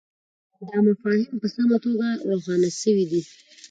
دا مفاهیم په سمه توګه روښانه سوي دي.